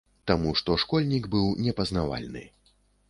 Таму што школьнік быў непазнавальны.